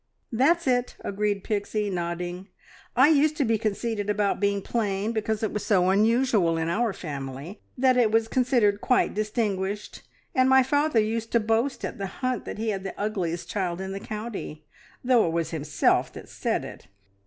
"That's it," agreed Pixie, nodding. "I used to be conceited about being plain, because it was so unusual in our family that it was considered quite distinguished, and my father used to boast at the hunt that he had the ugliest child in the county, though it was himself that said it.